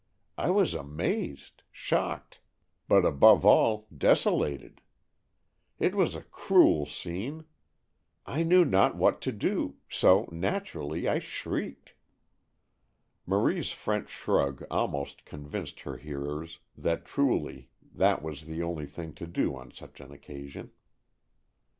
I was amazed, shocked, but, above all, desolated! It was a cruel scene. I knew not what to do, so, naturally, I shrieked." Marie's French shrug almost convinced her hearers that truly that was the only thing to do on such an occasion.